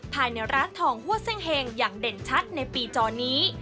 ภายในร้านทองหัวเส้งเฮงอย่างเด่นชัดในปีจอนี้